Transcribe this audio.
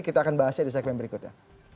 kita akan bahasnya di segmen berikutnya